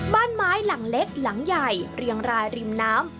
บ้านไม้หลังเล็กหลังใหญ่เรียงรายริมน้ำ